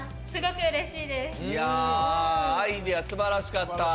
いやアイデアすばらしかった。